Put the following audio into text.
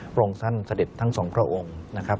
พระองค์ท่านเสด็จทั้งสองพระองค์นะครับ